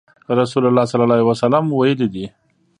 رسول الله صلی الله عليه وسلم ويلي دي :